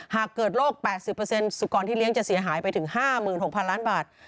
หากเกิดโรค๘๐สุกรที่เลี้ยงจะเสียหายไปถึง๕๖๐๐ล้านบาท